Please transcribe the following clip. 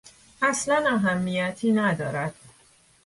اصلا اهمیتی ندارد.